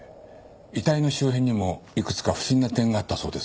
遺体の周辺にもいくつか不審な点があったそうです。